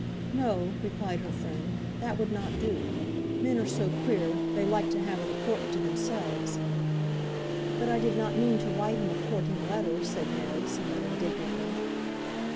"No," replied her friend, "that would not do. Men are so queer, they like to have a' the courting to themselves." "But I did not mean to write him a courting letter," said Mary, somewhat indignantly.